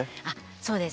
そうです。